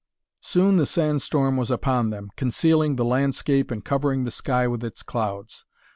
Soon the sand storm was upon them, concealing the landscape and covering the sky with its clouds.